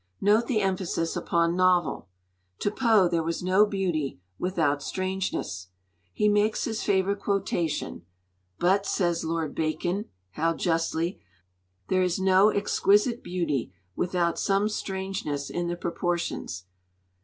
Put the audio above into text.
Note the emphasis upon novel: to Poe there was no beauty without strangeness. He makes his favourite quotation: '"But," says Lord Bacon (how justly!) "there is no exquisite beauty without some strangeness in the proportions."